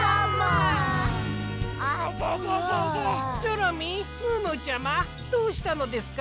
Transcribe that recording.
チョロミームームーちゃまどうしたのですか？